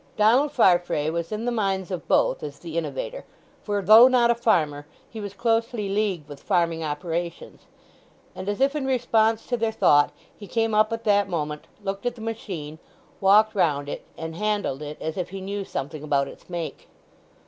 Donald Farfrae was in the minds of both as the innovator, for though not a farmer he was closely leagued with farming operations. And as if in response to their thought he came up at that moment, looked at the machine, walked round it, and handled it as if he knew something about its make.